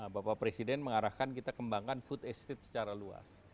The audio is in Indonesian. bapak presiden mengarahkan kita kembangkan food estate secara luas